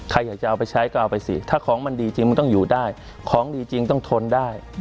ใครอยากจะเอาไปใช้ก็เอาไปสิถ้าของมันดีจริงมันต้องอยู่ได้ของดีจริงต้องทนได้